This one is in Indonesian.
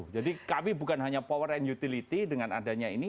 jadi kami bukan hanya power and utility dengan adanya ini